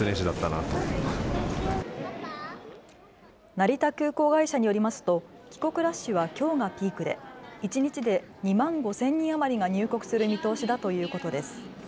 成田空港会社によりますと帰国ラッシュはきょうがピークで一日で２万５０００人余りが入国する見通しだということです。